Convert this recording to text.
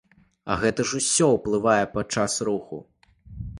А гэта ж усё ўплывае падчас руху.